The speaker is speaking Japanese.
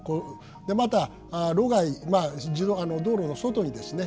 また路外道路の外にですね